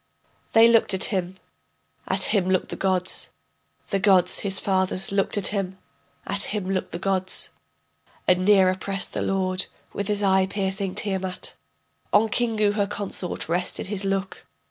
They looked at him, at him looked the gods, The gods, his fathers, looked at him; at him looked the gods. And nearer pressed the lord, with his eye piercing Tiamat. On Kingu her consort rested his look.